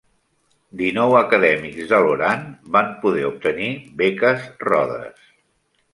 Dinou acadèmics de Loran van poder obtenir beques Rhodes.